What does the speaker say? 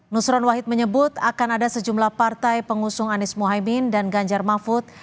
nusron wahid menyebut akan ada sejumlah partai pengusung anies mohaimin dan ganjar mahfud